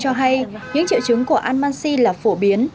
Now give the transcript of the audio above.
báo hay những triệu chứng của al mansi là phổ biến